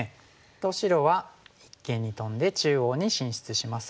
と白は一間にトンで中央に進出します。